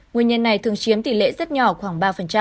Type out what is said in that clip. nguyên nhân này thường chiếm tỷ lệ rất nhỏ khoảng ba